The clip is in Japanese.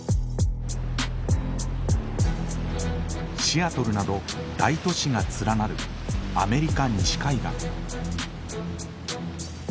シアトルなど大都市が連なるアメリカ西海岸。